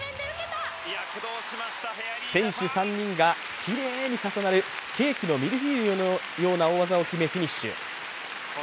選手３人がきれいに重なるケーキのミルフィーユのような大技を決めフィニッシュ。